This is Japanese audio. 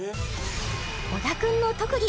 小田くんの特技